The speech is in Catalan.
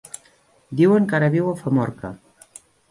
Diuen que ara viu a Famorca.